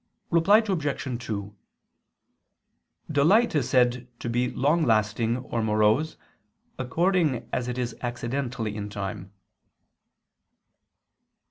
Reply Obj. 2: Delight is said to be long lasting or morose, according as it is accidentally in time.